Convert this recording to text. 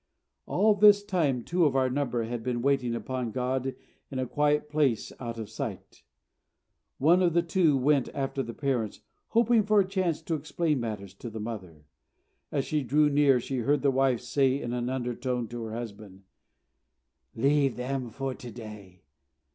All this time two of our number had been waiting upon God in a quiet place out of sight. One of the two went after the parents, hoping for a chance to explain matters to the mother. As she drew near she heard the wife say in an undertone to her husband: "Leave them for to day.